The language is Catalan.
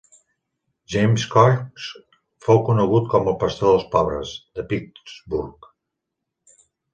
James Cox fou conegut com el "pastor dels pobres" de Pittsburgh.